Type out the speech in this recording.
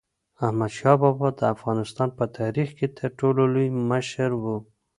احمدشاه بابا د افغانستان په تاریخ کې تر ټولو لوی مشر و.